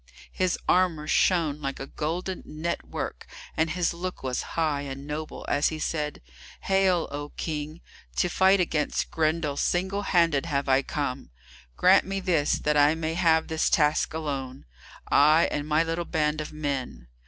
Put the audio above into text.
His armour shone like a golden net work, and his look was high and noble, as he said, "Hail, O King! To fight against Grendel single handed have I come. Grant me this, that I may have this task alone, I and my little band of men.